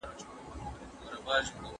او کنټرول يې د دوی په لاس کي نه دی.